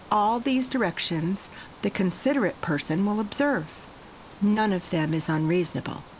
All these directions the considerate person will observe. None of them is unreasonable.